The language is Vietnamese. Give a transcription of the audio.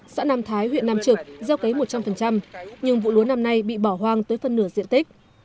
xã nam thái huyện nam trực gieo cấy một trăm linh nhưng vụ lúa năm nay bị bỏ hoang tới phân nửa diện tích